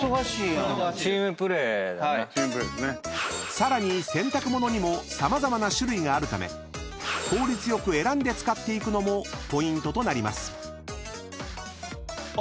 ［さらに洗濯物にも様々な種類があるため効率良く選んで使っていくのもポイントとなります］